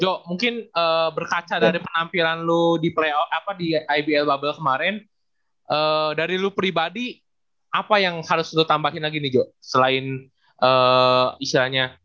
jo mungkin berkaca dari penampilan lo di ibl bubble kemarin dari lu pribadi apa yang harus lo tambahin lagi nih jo selain istilahnya